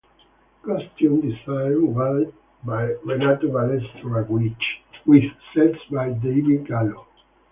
Costume design was by Renato Balestra, with sets by David Gallo.